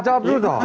jawab dulu dong